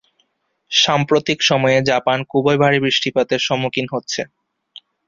সাম্প্রতিক সময়ে জাপান খুবই ভারী বৃষ্টিপাতের সম্মুখীন হচ্ছে।